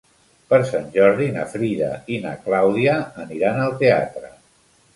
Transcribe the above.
Per Sant Jordi na Frida i na Clàudia aniran al teatre.